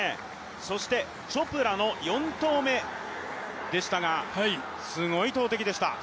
チョプラの４投目でしたがすごい投てきでした。